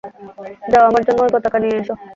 যাও, আমার জন্য ঐ পতাকা নিয়ে এসো।